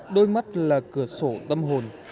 đôi mắt là cửa sổ tâm hồn